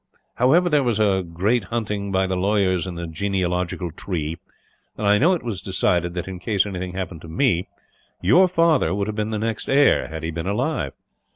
"However, there was a great hunting by the lawyers in the genealogical tree; and I know it was decided that, in case anything happened to me, your father would have been the next heir, had he been alive.